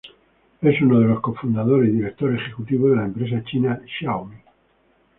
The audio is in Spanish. Es uno de los cofundadores y director ejecutivo de la empresa china Xiaomi.